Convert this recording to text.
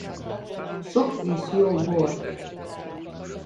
Sok és jó bor.